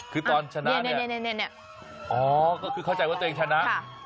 คือตอนชนะเนี่ยอ๋อก็คือเข้าใจว่าตัวเองชนะ